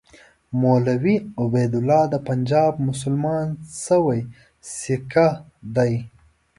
مولوي عبیدالله د پنجاب مسلمان شوی سیکه دی.